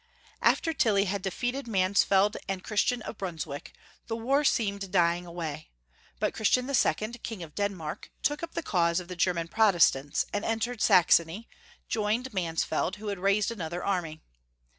AFTER Tilly had defeated Mansfeld and Cliristian of Brunswick, the war seemed dying away, but Christian II., King of Denmark, took up the cause of the German Protestants, and entered Saxony, joined Mansfeld, who had raised another army.